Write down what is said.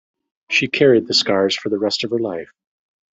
She carried the scars for the rest of her life.